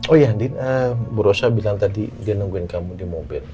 oh ya bu rosa bilang tadi dia nungguin kamu di mobil